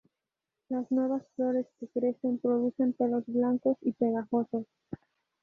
Las nuevas flores que crecen producen pelos blancos y pegajosos.